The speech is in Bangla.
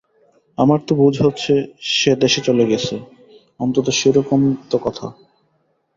আমার তো বোধ হচ্ছে সে দেশে চলে গেছে, অন্তত সেইরকম তো কথা।